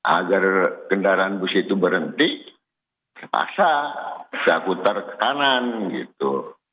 agar kendaraan bus itu berhenti paksa bisa putar ke kanan gitu